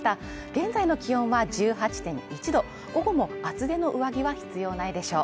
現在の気温は１８．１度午後も厚手の上着は必要ないでしょう。